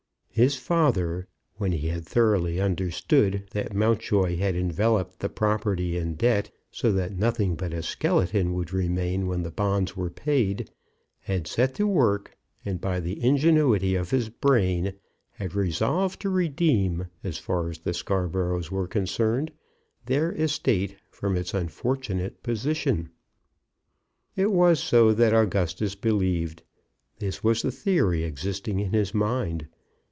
His father, when he had thoroughly understood that Mountjoy had enveloped the property in debt, so that nothing but a skeleton would remain when the bonds were paid, had set to work, and by the ingenuity of his brain had resolved to redeem, as far as the Scarboroughs were concerned, their estate from its unfortunate position. It was so that Augustus believed; this was the theory existing in his mind.